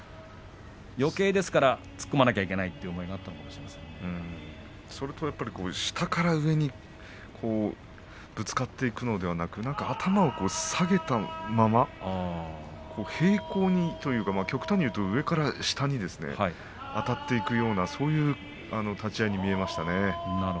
ですからよけい突っ込まなければならないという思い下から上にぶつかっていくのではなく頭を下げたまま平行にというか極端に言うと、上から下にあたっていくようなそういう立ち合いに見えましたね。